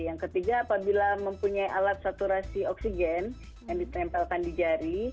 yang ketiga apabila mempunyai alat saturasi oksigen yang ditempelkan di jari